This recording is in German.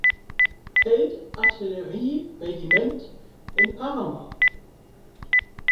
Feldartillerieregiment in Parma.